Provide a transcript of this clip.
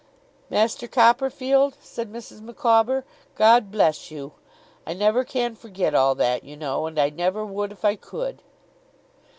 'Master Copperfield,' said Mrs. Micawber, 'God bless you! I never can forget all that, you know, and I never would if I could.